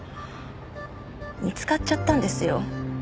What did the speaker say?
見つかっちゃったんですよ。